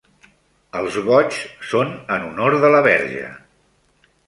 Els goigs són en honor de la Verge.